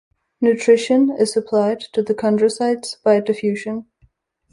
Nutrition is supplied to the chondrocytes by diffusion.